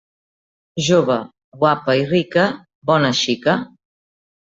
Jove guapa i rica, bona xica.